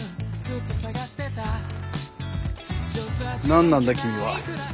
何なんだ君は。